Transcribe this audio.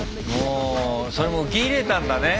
それも受け入れたんだね。